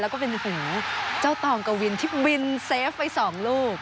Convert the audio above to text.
แล้วก็เป็นหูเจ้าตองกวินที่บินเซฟไปสองลูก